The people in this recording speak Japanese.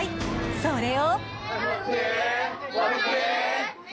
それを。